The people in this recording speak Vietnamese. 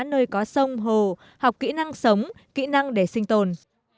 nơi có sông hồ học kỹ năng sống kỹ năng để sinh tồn